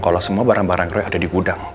kalau semua barang barang ada di gudang